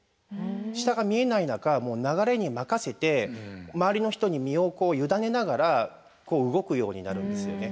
下が見えない中流れに任せて周りの人に身を委ねながらこう動くようになるんですよね。